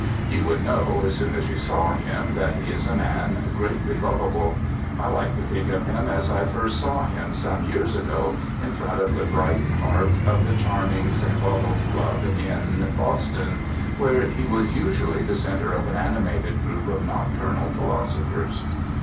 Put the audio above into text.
You would know, as soon as you saw him, that he is a man greatly lovable. I like to think of him as I first saw him, some years ago, in front of the bright hearth of the charming St. Botolph Club in Boston, where he was usually the center of an animated group of nocturnal philosophers.